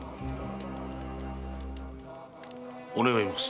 お願い申す。